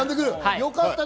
よかったね！